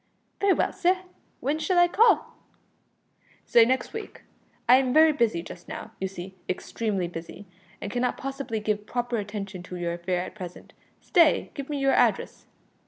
"Very well, sir, w'en shall I call?" "Say next week. I am very busy just now, you see extremely busy, and cannot possibly give proper attention to your affair at present. Stay give me your address."